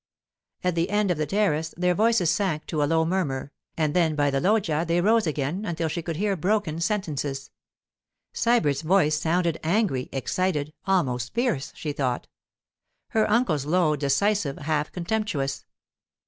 At the end of the terrace their voices sank to a low murmur, and then by the loggia they rose again until she could hear broken sentences. Sybert's voice sounded angry, excited, almost fierce, she thought; her uncle's, low, decisive, half contemptuous.